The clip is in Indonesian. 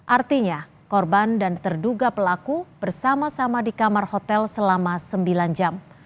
artinya korban dan terduga pelaku bersama sama di kamar hotel selama sembilan jam